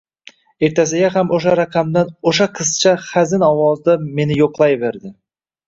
Ertasiga ham o'sha raqamdan o'sha qizcha xazin ovozda meni yo'qlayverdi